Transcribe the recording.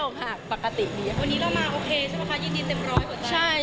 วันนี้เรามาโอเคใช่เปล่าคะยินดีเต็มร้อยกว่าเธอ